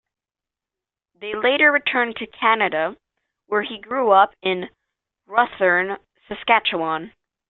They later returned to Canada where he grew up in Rosthern, Saskatchewan.